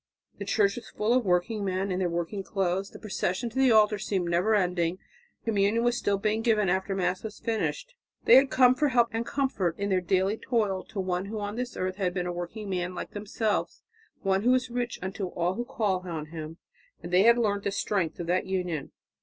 The church was full of working men in their working clothes. The procession to the altar seemed never ending, communion was still being given after the Mass was finished. They had come for help and comfort in their daily toil to One who on this earth had been a working man like themselves, One who is "rich unto all that call on Him," and they had learnt the strength of that union.